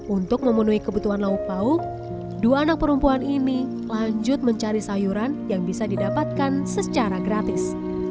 untuk memenuhi kebutuhan lauk lauk dua anak perempuan ini lanjut mencari sayuran yang bisa didapatkan secara gratis